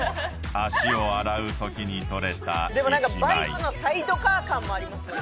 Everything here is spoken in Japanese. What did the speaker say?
足を洗う時に撮れた１枚バイクのサイドカー感もありますね